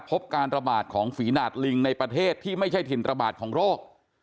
พบการระบาดของฝีดาดลิงในประเทศที่ไม่ใช่ถิ่นระบาดของโรค